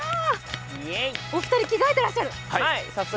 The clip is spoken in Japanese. お二人着替えてらっしゃる。